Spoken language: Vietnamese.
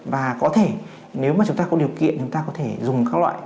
và có thể nếu mà chúng ta có điều kiện chúng ta có thể dùng các loại